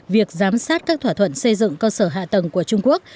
việc giám sát các thỏa thuận xây dựng cơ sở hạ tầng của trung quốc